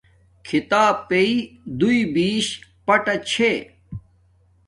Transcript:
کھیتاپݵ دو بیش پاٹے شھے